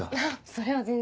それは全然。